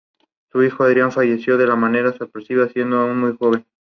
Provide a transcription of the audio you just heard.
Mauricio la abandona y vuelve a vivir con su familia.